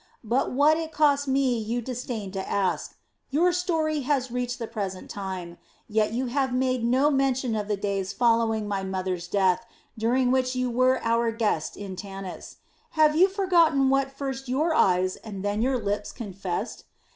But what it cost me you disdain to ask. Your story has reached the present time, yet you have made no mention of the days following my mother's death, during which you were our guest in Tanis. Have you forgotten what first your eyes and then your lips confessed?